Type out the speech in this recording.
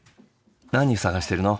何探しているの？